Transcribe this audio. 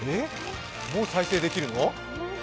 もう再生できるの？